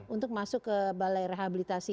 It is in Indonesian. untuk masuk ke balai rehabilitasi